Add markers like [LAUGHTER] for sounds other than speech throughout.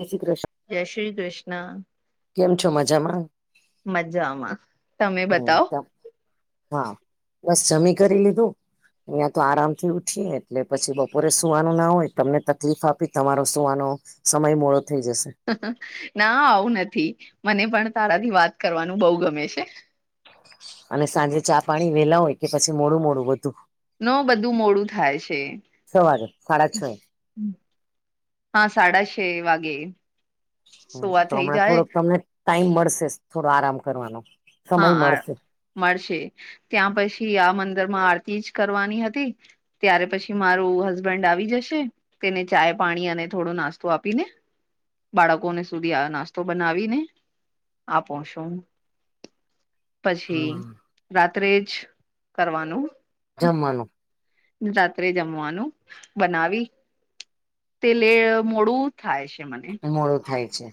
એ કૃષ જય શ્રી કૃષ્ણ કેમ છો મજામાં મજ્જા આમાં હમ હા બસ જમી કરી લીધું અહીંયા તો આરામથી ઉઠીએ એટલે પછી બપોરે સુવાનું ના હોય તમને તકલીફ આપી તમારો સુવાનો સમય મોડો થઈ જશે ના આવું નથી મને પણ તારાથી વાત કરવાનું બહુ ગમે છે અને સાંજે ચા પાણી વેલા હોય કે પછી મોડું મોડું બધું નો બધું મોડું થાય છે સવારે સાડા છ એ. હા સાડાશે વાગે હ સોવા તો થઈ હમણાં જાય થોડોક તમને ટાઈમ મળશે થોડો આરામ કરવાનો સમય હા મળશે મળશે ત્યાં પછી આ મંદર માં આરતી જ કરવાની હતી ત્યારે પછી મારું હસબન્ડ આવી જશે તેને ચાય પાણી અને થોડો નાસ્તો આપી ને બાળકોને સુધી આ નાસ્તો બનાવીને આપો છું પછી હમ રાત્રે જ કરવાનું જમવાનું રાત્રે જમવાનું બનાવી તે લે મોડું થાય છે મને મોડું થાય છે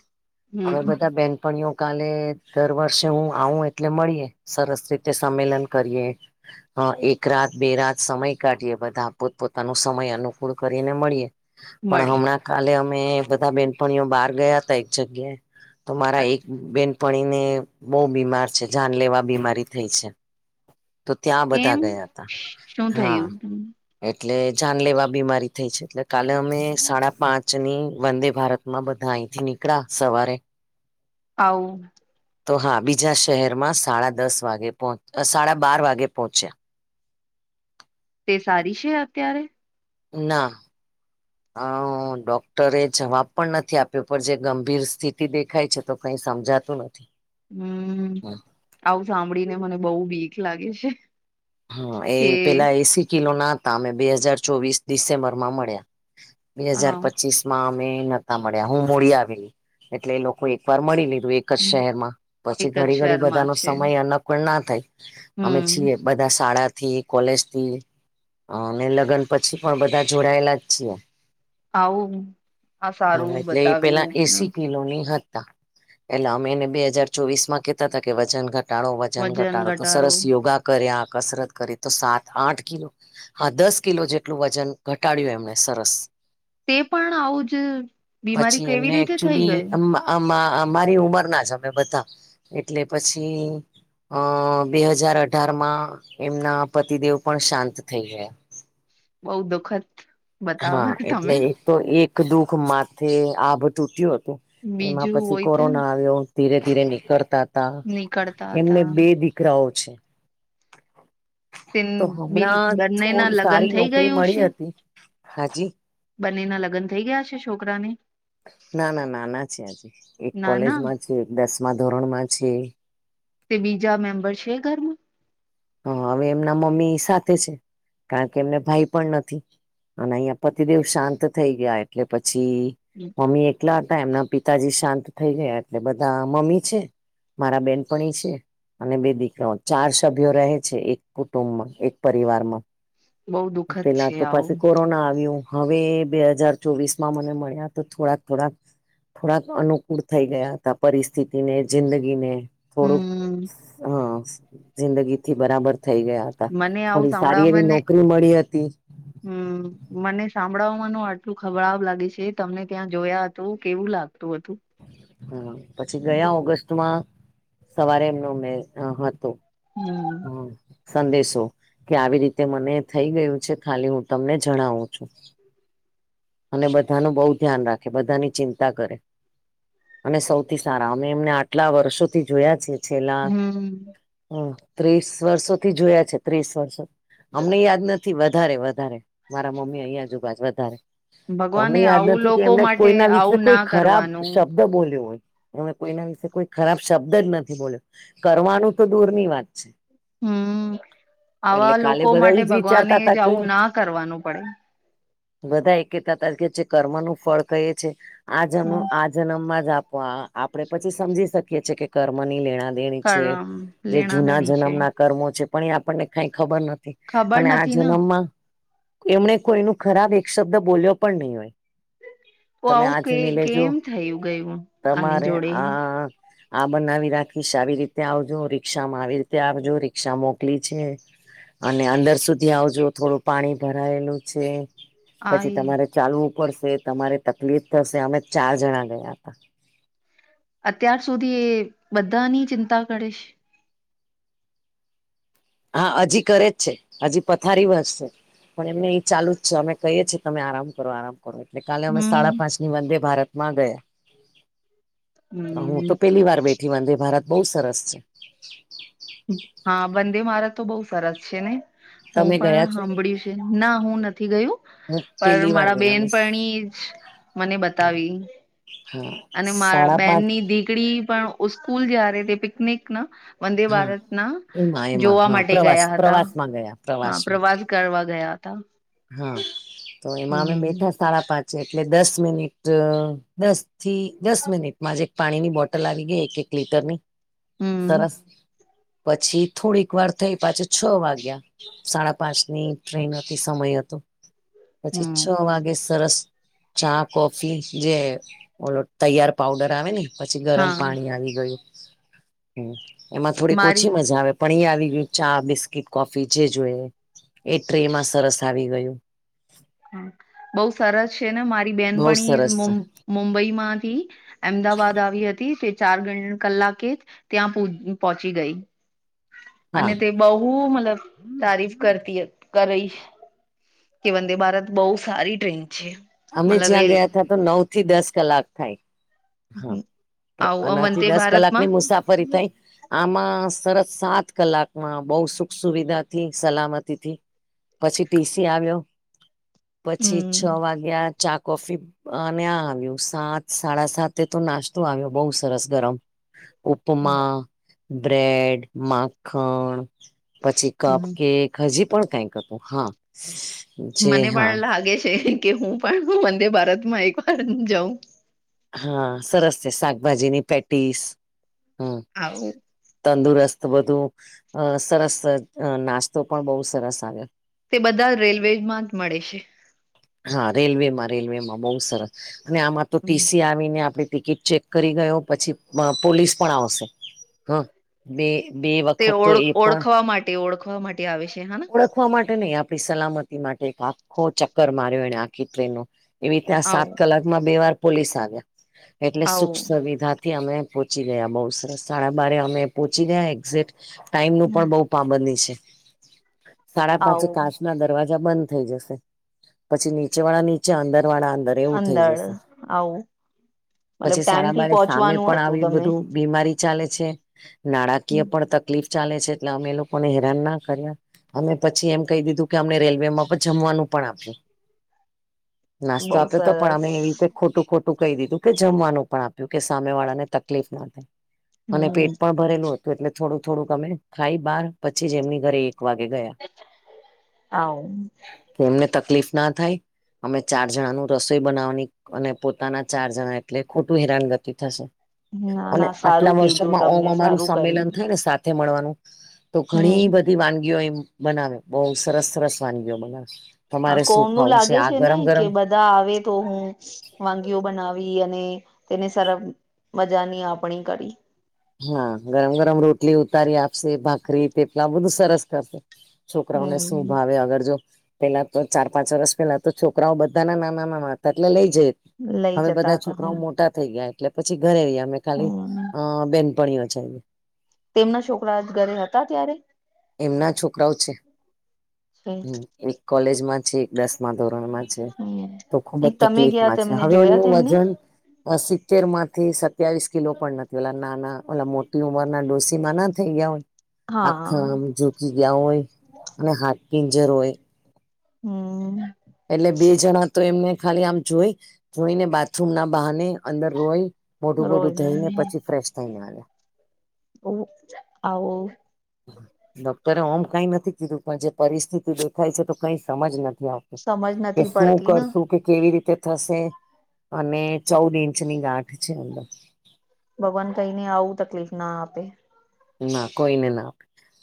હમ હવે બધા બે બેનપણીઓ કાલે દર વર્ષે હું આવું એટલે મળીએ સરસ રીતે સંમેલન કરીએ હ એક રાત બે રાત સમય કાઢીએ બધા પોતપોતાનો સમય અનુકૂળ કરીને મળીએ પણ મળી હમણાં કાલે અમે બધા બેનપણીઓ બહાર ગયા હતા એક જગ્યાએ તો મારા એક બેનપણીને બહુ બીમાર છે જાન લેવા બીમારી થઈ છે તો ત્યાં બધા કેમ ગયા હતા શું હા થયું એટલે જાન લેવા બીમારી થઈ છે એટલે કાલે અમે સાડા પાંચ ની વંદે ભારત માં બધા અહીંથી નીકળ્યા સવારે આવુ તો હા બીજા શહેરમાં સાડા દસ વાગે પહો સાડા બાર વાગે પહોંચ્યા તે સારી છે અત્યારે ના અ ડોક્ટરે જવાબ પણ નથી આપ્યો પણ જે ગંભીર સ્થિતિ દેખાય છે તો કઈ સમજાતું નથી હમ આવું સાંભળીને મને બહુ બીક લાગે છે હમ કે એ પેલા એસી કિલો ના હતા અમે બે હાજાર ચોવીસ ડિસેમ્બર માં મળ્યા બે હાજાર હા પચીસ માં અમે નહતા મળ્યા હું મોડી આવેલી એટલે એ લોકો એક વાર મળી લીધું એ એક જ શહેરમાં પછી એક જ ઘડી ઘડી શહેરમાં બધાનો છે સમય અનુકૂળ ના થાય અમે હમ છીએ બધા શાળાથી કોલેજથી અને લગ્ન પછી પણ બધા જોડાયેલા જ છીએ. આવું આ હ સારું એટલે એ પેલા બતાવ્યું એસી કિલોના હતા. એટલે અમે એને બે હજાર ચોવીસ માં કેહતા હતા કે વજન ઘટાડો વજન ઘટાડો તો સરસ યોગા, કર્યા કસરત કરી તો સાત આઠ કિલો, હા દસ કિલો જેટલું વજન ઘટાડ્યું એમને સરસ. તે પણ આવું જ બીમારી કેવી રીતે થઈ ગઈ. આમાં અમારી ઉંમર ના જ અમે બધા એટલે પછી, અ બે હજાર અઢાર માં એમના પતિદેવ પણ શાંત થઈ ગયા. બઉ દુઃખદ, બતાવો હા તમે એટલે એક તો એક દુઃખ માથે આભ તૂટ્યું હતું. એમાં બીજું પછી હોય તે કોરોના આવ્યો. ધીરે ધીરે નીકળતા હતા નીકળતા એમને હતા બે દીકરાઓ છે. તે તો હમણાં બંનેના થોડી લગ્ન સારી થઈ નોકરી ગયું મળી છે હતી હા જી, બંનેના લગ્ન થઈ ગયા છે છોકરાને ના ના નાના છે હજી એક ના ના કોલેજમાં, છે દસમા ધોરણ માં છે. તે બીજા મેમ્બર છે ઘરમાં, હ હવે એમના મમ્મી સાથે છે કારણ કે એમને ભાઈ પણ નથી. અને અહિયા પતિદેવ શાંત થઈ ગયા એટલે પછી, મમ્મી એ એકલા હતા એમના પિતાજી શાંત થઈ ગયા એટલે બધા મમ્મી છે, મારા બેનપણી છે અને બે દીકરાઓ ચાર શબ્દ, સભ્યો રહે છે એક કુટુંબમાં એક પરિવારમાં, બહુ દુઃખદ પેલા છે તો પછી આવું કોરોના આવ્યું. હવે બે હજાર ચોવીસ માં મને મળ્યા તો થોડાક થોડાક, થોડાક અનુકૂળ થઈ ગયા હતા પરિસ્થિતિને જિંદગીને, થોડુંક હમ હ જિંદગીથી બરાબર થઈ ગયા હ. હતા મને આવું થોડી સારી એવી સાંભળવાને નોકરી મળી હતી. હમ મને સાંભળાવવાનું આટલું ખરાબ લાગે છે તમને ત્યાં જોયા. તો કેવું લાગતું હતું. હા પછી ગયા ઓગસ્ટમાં સવારે એમનો મે હતો. હમ સંદેશો કે આવી રીતે મને થઈ ગયું છે ખાલી હું તમને જણાવું છું. અને બધાનું બહુ ધ્યાન રાખે બધાની ચિંતા કરે. અમે સૌથી સારા અમે એમને આટલા વર્ષોથી જોયા છે છેલ્લા, હમ હ ત્રીસ વર્ષોથી જોયા છે ત્રીસ વર્ષો, અમને યાદ નથી વધારે મારા મમ્મી અહિયાં જ ઊભા છે વધારે, તમને ભગવાને યાદ આવું નથી કે લોકો એમણે માટે કોઈના વિશે આવું ના કોઈ ખરાબ કરવાનું શબ્દ બોલ્યો હોય. અમે કોઈના વિશે કોઈ ખરાબ શબ્દ જ નથી બોલ્યો કરવાનું તો દૂર ની વાત છે. હમ એટલે આવા કાલે લોકો બધા માટે એજ ભગવાને વિચારતા જ હતા કે આવું ના કરવું પડે. બધા એ કેતા તા કે જે કર્મનું ફળ કહે છે આજ એમ હમ આજ, જન્મ માં જ આપવા આપણેે પછી સમજી શકીએ છીએ કે કર્મની લેણાદેણી છે. કરમ જે જૂના લેણાદેણી છે જન્મ ના કર્મો છે પણ એ આપણને કાઈ ખબર નથી. ખબર અને આ નથી ને જન્મમાં એમણે કોઈનુ ખરાબ એક શબ્દ બોલ્યો પણ નહિ હોય. તો તમે આવું આજ કે મિલજો કેમ થયું ગયું આની તમારે જોડે આ, આ બનાવી રાખીશ આવી રીતે આવજો રિક્ષામાં આવી રીતે આવજો રિક્ષા મોકલી છે. અને અંદર સુધી આવજો થોડું પાણી ભરાયેલું છે. આ પછી તમારે ચાલવું પડશે તમારે તકલીફ થશે અમે ચાર જણા ગયા હતા. અત્યાર સુધી બધાની ચિંતા કરીશ. હા હજુ કરે જ છે હજુ પથારી વસ છે. પણ એમને એ ચાલુ જ છે અમે કહીએ છીએ તમે આરામ કરો આરામ. એટલે કાલે અમે હમ સાડા પાંચની વંદે ભારત માં ગયા, હું તો હમ પેલી વાર બેઠી વંદેભારત બહુ સરસ છે. હા, વંદેભારત તો બહુ સરસ છે ને હું તમે ગયા પણ છો સાંભળી ના હું નથી ગયું. હું પર પેલી વાર મારા ગઈ અમે બેનપણી જ મને બતાવી. હા [UNINTELLIGIBLE] સાડા પાંચ હા વંદેભારત ના એમાં એમાં જોવા હા માટે પ્રવાસ ગયા હતા પ્રવાસમાં ગયા હ પ્રવાસમાં પ્રવાસ કરવા ગયા હતા. હા, તો એમાં અમે હમ બેઠા સાડા પાંચે એટલે દસ મિનિટ દસ થી દસ મિનિટમાં જ એક પાણીની બોટલ આવી ગઈ, એક એક લીટરની હમ સરસ પછી થોડીક વાર થઈ પાછો છ વાગ્યા સાડા પાંચ ની ટ્રેન હતી. સમય હતો પછી છ હમ વાગે સરસ ચા કોફી જે ઓલો તૈયાર પઉડર આવે ને, પછી ગરમ હા પાણી આવી ગયું એમાં થોડીક મારી ઓછી મજા આવે. પણી આવી ગયું ચા બિસ્કીટ કોફી જે જોઈ એ ટ્રે માં સરસ આવી ગયું. બઉ સરસ છે ને મારી બહુ બેનપની સરસ મુંબઈ માંથી, અમદાવાદ આવી હતી તે ચારણ કલાકે જ ત્યાં પોહોંચી ગઈ. હા અને તે બહુ મતલબ [INAUDIBLE] કરતી કરત કે વંદેભારત બહુ સારી ટ્રેન છે. અમે જ્યાં રેલ ગયા તા તો નવ થી દસ કલાક થાય, હા, આવું નવ થી અવંતે દસ કલાક ભારતમાં ની મુસાફરી થઈ. આમાં સરસ સાત કલાકમાં બહુ સુખ સુવિધા થી સલામતીથી, પછી ટીસી આવ્યો પછી છ હમ વાગ્યા ચા કોફી અને આ આવ્યું સાત સાડા સાતે તો નાસ્તો આવ્યો, બઉ સરસ ગરમ ઉપમા, બ્રેડ, માખણ, પછી કપ હમ કેક, હજી પણ કઈક હતું હા જે મને હા પણ લાગે છે કે હું પણ વંદે ભારતમાં એક વાર જાઉં. હા, સરસ છે શાકભાજીની પેટીસ હમ્મ આવું તંદુરસ્ત બધું અ સરસ નાસ્તો પણ બહુ સરસ આવ્યો. તે બધા રેલવેમાં જ મળે છે, હા રેલવે માં રેલવેમાં બહુ સરસ અને આમાં તો ટીસી આવે ને આપણે ટિકિટ ચેક કરી ગયો પછી પોલીસ પણ આવશે હ બે બે વખત તો ઓળ એ પણ ઓળખવા માટે તે ઓળખવા માટે આવે છે હ ઓળખવા માટે નહી આપણી સલામતી માટે એક આખો ચક્કર માર્યો એને આખી ટ્રેન ન એવી ત્યાં સાત આવું કલાકમાં બે વાર પોલીસ આવ્યા એટલે સુખ આવું સુવિધા થી અમે પહોંચી ગયા બહુ સરસ સાડા બારે અમે પહોંચી ગયા એક્ઝેક્ટ ટાઈમનું પણ બવ પાબન્દી છે, સાડા પાંચે આવું કાચ ના દરવાજા બંધ થઈ જશે પછી નીચે વાળા નીચે અંદર વાળા એવું થઈ અંદર જશે આવું મતલબ પછી ટાઈમ સાડા થી બાર સામે પહોંચવાનું પણ હતું આવી તમે બધું બીમારી ચાલે છે, નાણાકીય પણ તકલીફ ચાલે છે એટલે અમે એ લોકોને હેરાન ના કર્યા અમે પછી એમ કહી દીધું કે અમને રેલવેમાં પણ જમવાનું પણ આપ્યું નાસ્તો બઉ આપ્યો તો પણ સરસ અમે એવી રીતે ખોટું ખોટું કહી દીધું કે જમવાનું પણ આપ્યું કે સામે વાળા ને તકલીફ ના થાય. અને હમ પેટ પણ ભરેલું હતું એટલે થોડું થોડુંક અમે ખાઈ બહાર પછી જ એમની ઘરે વાગે ગયા આવું હ એમને તકલીફ ના થાય અમે ચાર જણાનું રસોઈ બનાવવાની અને પોતાના ચાર જણા એટલે ખોટું હેરાનગતિ થશે ના અને ના સારું આટલા કીધું વર્ષોમાં ઓમ તમને અમારું સારું સંમેલન કર્યું થાય ને સા થે મળવાનું તો હમ ઘણી બધી વાન યો એ બનાવે બહુ સરસ સરસ વાનગીઓ બનાવે. આ તમારે શું કોનું ખાવું લાગે આ છે ને ગરમ કે ગરમ બધાં આવે તો હું વાનગીઓ બનાવી અને તેને સર મજાની આપણી કરી. હા ગરમ ગરમ રોટલી ઉતારી આપશે, ભાખરી થેપલાં બધું સરસ કરશે. છોકરાઓને શું હમ ભાવે અગર જો પેલાં તો ચાર પાંચ વર્ષ પેહલાં તો છોકરાઓ બધાના નાના નાના હતાં એટલે લય જઈએ. લઈ હવે જતા બધા હતા છોકરાઓ હમ મોટાં થઈ ગયા એટલે પછી ઘરે રીયા અમે ખાલી હમ અ બેનપણીઓ જાઈએ. તેમના છોકરા જ ઘરે હતાં ત્યારે? એમના છોકરાઓ છે. હમ હમ્મ, એક કોલેજમાં છે, એક દસમાં ધોરણમાં છે. તો ખૂબ જ તમે ગયા તકલીફમાં છે તેમને હવે જોયા એમનું તેમને વજન સિત્તેરમાંથી સત્યાવીસ કિલો પણ ન ઓલા નાના ઓલી મોટી ઉંમર ના ડોસીમાં ના થઈ ગયાં હોય. હા આમ ઝુકી ગયા હોય અને હાથ પિંજર હોય. હમ્મ. એટલે બે જણા તો એમને ખાલી આમ જોઈ જોઈને બાથરૂમના બહાને અંદર રોય. મોટું બોઢુ રોજ ધોઈને પછી ફ્રેશ થઈને આવે. ઓહ! આવો. ડોક્ટરે ઓમ કાઈ નથી કીધું પણ જે પરિસ્થિતિ દેખાય છે તો કઈ સમજ નથી આવ સમજ કે નથી શું પડતી ને કરશું કે કેવી રીતે થશે? અને ચૌદ ઇંચની ગાંઠ છે અંદર. ભગવાન કઈને આવું તકલીફ ના આપે. ના કોઈને ના.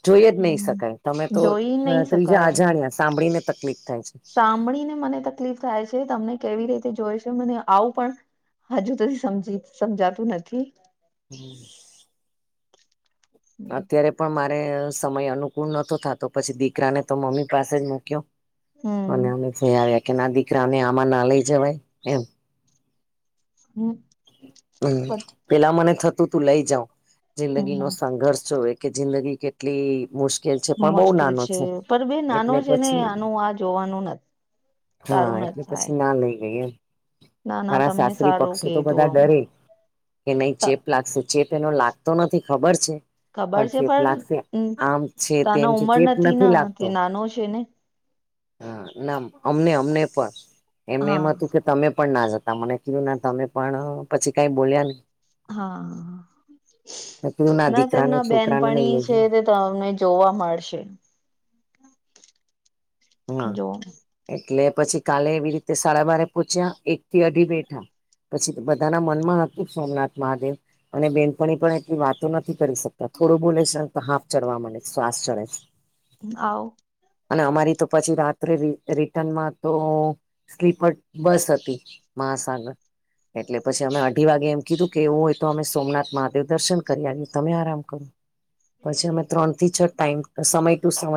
જોઈ જ નઈ શકાય તમે તો જોઈ નહી ત્રીજા શકાય એમ અજાણ્યા, સાંભળીને તકલીફ થાય છે. સાંભળીને મને તકલીફ થાય છે તમને કેવી રીતે જોઈ છે મને આવું પણ હજુ તો સમજી સમજાતું નથી. હમ અત્યારે પણ મારે સમય અનુકૂળ નતો થાતો પછી દીકરાને તો મમ્મી પાસે જ મૂક્યો. અને હમ અમે જઈ આવ્યા કે ના દીકરાને આમાં ના લઈ જવાય એમ. હમ્મ. હમ્મ, પેલા મને થતું તું લઈ જાઉં હમ જિંદગીનો સંઘર્ષ જોવે. કે જિંદગી કેટલી મુશ્કે કે છે પણ બઉ મુશ્કેલ નાનો છે પર બે નાનો એટલે છે ને પછી આનું આ જોવાનું નથી હા સારું નથી એટલે થાય પછી ના લઈ ગઈ એમ ના ના મારા તમને સાસરી સારું પક્ષે તો બધા કીધું ડરે કે નહીં ત ચેપ લાગશે ચેપ એનો લાગતો નથી ખબર છે. ખબર પણ છે ચેપ લાગશે પણ આમ છે, તેમ તના છે, ઉમર ચેપ ને નથી તે લાગતો. નાનો છે ને. હા ના અમને અમને પણ એમને એમ હા હતું કે તમે પણ ના જતાં મને તુ ના તમે પણ પછી કાઈ બોલ્યા નહીં. હા મેં કીધું ના દીકરાને તેમના છોકરાને લઈ બેનપણી છે લેજો તે તમને જોવા મળશે. હા જો એટલે પછી કાલે એવી રીતે સાડા બારે પૂછ્યા એકથી અઢી બેઠા પછી બધાના મનમાં હતું જ સોમનાથ મહાદેવ. અને બેનપણી પણ એટલી વાતો નથી કરી શકતા થોડું બોલે છે ને તો હાફ ચડવા મંડે છે શ્વાસ ચડે છે. આવું? અને અમારી તો પછી રાત્રે રિ રિટર્નમાં તો સ્લીપર બસ હતી મહાસાગર એટલે પછી અમે અઢી વાગે એમ કીધું કે એવું હોય તો અમે સોમનાથ મહાદેવ દર્શન કરી આવ્યે તમે આરામ કરો. પછી અમે ત્રણ થી છ ટાઈમ સમય ટુ સમય